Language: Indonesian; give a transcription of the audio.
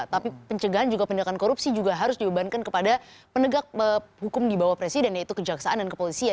tapi pencegahan juga penindakan korupsi juga harus dibebankan kepada penegak hukum di bawah presiden yaitu kejaksaan dan kepolisian